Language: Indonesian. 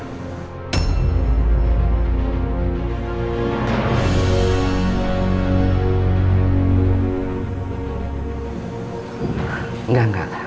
enggak enggak enggak